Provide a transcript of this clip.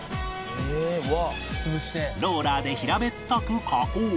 ローラーで平べったく加工